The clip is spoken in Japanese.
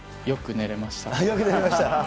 よく寝れました？